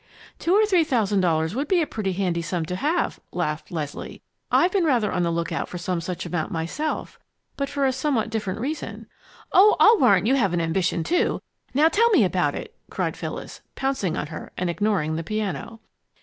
"Two or three thousand dollars would be a pretty handy sum to have!" laughed Leslie. "I've been rather on the lookout for some such amount myself, but for a somewhat different reason." "Oh, I'll warrant you have an ambition, too! Now tell me about it!" cried Phyllis, pouncing on her and ignoring the piano.